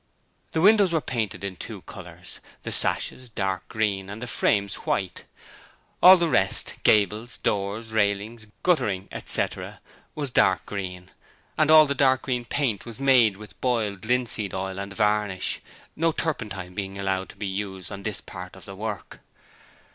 The windows were painted in two colours: the sashes dark green and the frames white. All the rest gables, doors, railings, guttering, etc. was dark green; and all the dark green paint was made with boiled linseed oil and varnish; no turpentine being allowed to be used on this part of the work.